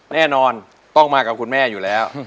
แน่นอนต้องมากับคุณแม่อยู่แล้ว